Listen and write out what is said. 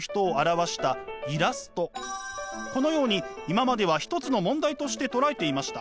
このように今までは一つの問題としてとらえていました。